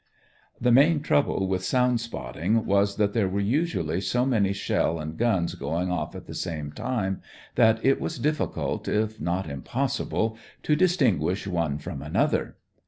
The main trouble with sound spotting was that there were usually so many shell and guns going off at the same time that it was difficult if not impossible to distinguish one from another.